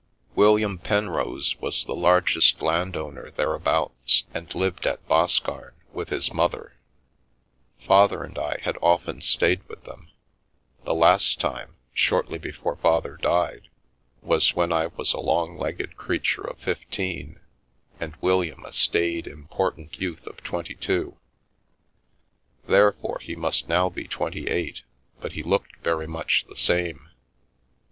William Penrose was the largest landowner there abouts and lived at Boscarn with his mother; Father and I had often stayed with them ; the last time, shortly before Father died, was when I was a long legged crea ture of fifteen and William a staid, important youth of twenty two. Therefore he must now be twenty eight, but he looked very much the same.